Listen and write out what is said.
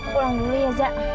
yaudah aku pulang dulu ya zat